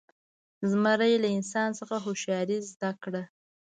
زمري له انسان څخه هوښیاري زده کړه.